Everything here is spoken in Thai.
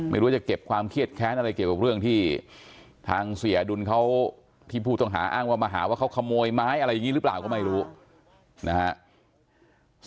ไม่รู้ว่าจะเก็บความเครียดแค้นอะไรเกี่ยวกับเรื่องที่ทางเสียอดุลเขาที่ผู้ต้องหาอ้างว่ามาหาว่าเขาขโมยไม้อะไรอย่างนี้หรือเปล่าก็ไม่รู้นะฮะ